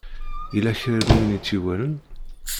Yella kra n win i t-iwalan?